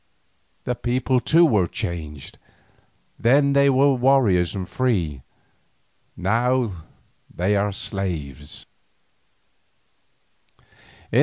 The people too were changed; then they were warriors and free, now they are slaves.